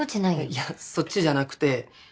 いやそっちじゃなくて。